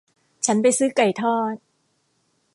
ฉันไปซื้อไก่ทอด